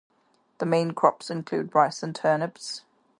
The main crops include rice and turnips.